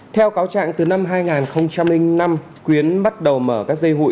theo cáo trạng từ năm hai nghìn năm quyến bắt đầu mở các dây hụi